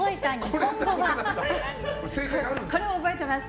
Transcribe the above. これは覚えてます。